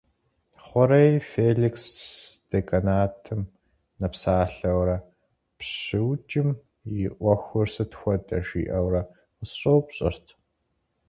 Хъурей Феликс деканатым нэпсалъэурэ, «ПщыукӀым и Ӏуэхур сыт хуэдэ?» жиӏэурэ къысщӏэупщӏэрт.